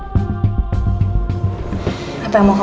baik tetap selamat terus